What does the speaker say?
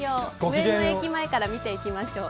上野駅前から見ていきましょう。